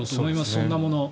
そんなもの。